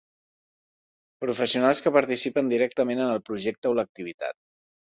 Professionals que participen directament en el projecte o l'activitat.